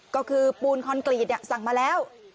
ก็คือปูนคอนกรีตสั่งมาแล้ว